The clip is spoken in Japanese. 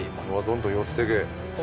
どんどん寄ってすごっ。